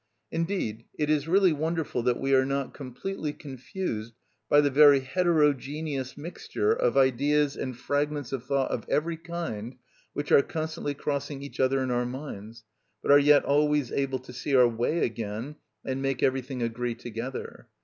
Indeed it is really wonderful that we are not completely confused by the very heterogeneous mixture of ideas and fragments of thought of every kind which are constantly crossing each other in our minds, but are yet always able to see our way again and make everything agree together.